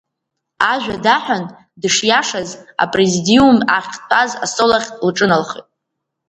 Ажәа даҳәан, дышиашаз апрезидиум ахьтәаз астол ахь лҿыналхеит.